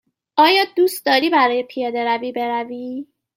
آیا دوست داری برای پیاده روی بروی؟